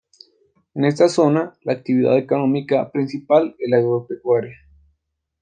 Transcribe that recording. En esta zona, la actividad económica principal es la agropecuaria.